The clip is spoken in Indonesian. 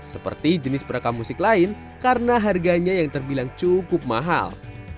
seperti jenis perekam musik lain karena harganya yang terbilang cukup mahal